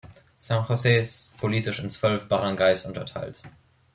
San Jose ist politisch in zwölf Baranggays unterteilt.